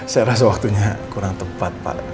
saya rasa waktunya kurang tepat